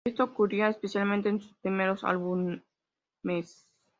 Esto ocurría especialmente en sus primeros álbumes.